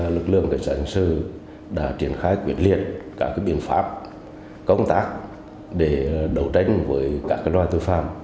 lực lượng cảnh sát hình sự đã triển khai quyết liệt các biện pháp công tác để đấu tranh với các loài tội phạm